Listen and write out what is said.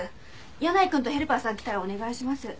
箭内くんとヘルパーさん来たらお願いします。